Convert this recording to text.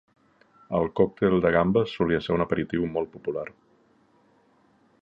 El còctel de gambes solia ser un aperitiu molt popular.